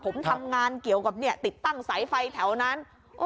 ผมทำงานเกี่ยวกับติดตั้งสายไฟแถวนั้น